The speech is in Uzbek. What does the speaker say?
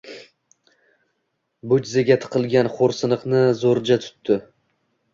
Bo`јziga tiqilgan xo`rsiniqni zo`rјa yutdi